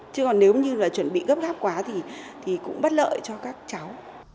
chứ còn nếu như là chuẩn bị gấp gáp quá thì cũng bất lợi cho các cháu